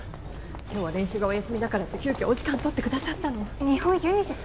今日は練習がお休みだからって急きょお時間とってくださったの日本ユニシス？